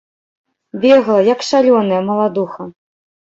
Бегла, як шалёная, маладуха.